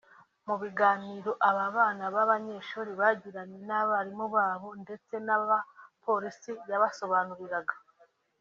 Mu biganiro aba bana b’abanyeshuri bagiranye n’abarimu babo ndetse n’aba polisi yabasobanuriraga